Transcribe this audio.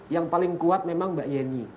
yang paling kuat memang mbak yeni